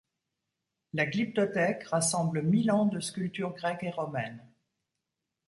La Glyptothèque rassemble mille ans de sculpture grecque et romaine.